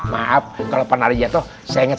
maaf kalau pak narji ya toh saya ingat